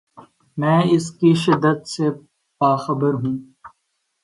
میں اس کی شدت سے باخبر ہوں۔